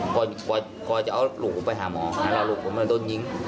พอจะเอาลูกผมไปหาหมอแล้วลูกผมโดนยิง